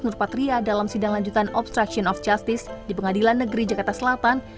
nurpatria dalam sidang lanjutan obstruction of justice di pengadilan negeri jakarta selatan